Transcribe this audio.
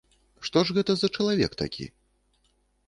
Што ж гэта за чалавек такі?